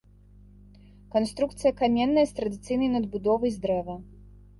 Канструкцыя каменная, з традыцыйнай надбудовай з дрэва.